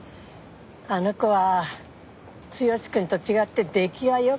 あの子は剛くんと違って出来は良かったから。